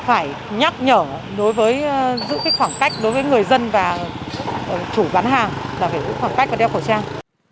là phải giữ khoảng cách và đeo khẩu trang